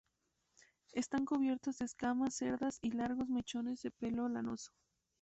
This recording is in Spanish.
Están cubiertos de escamas, cerdas y largos mechones de pelo lanoso.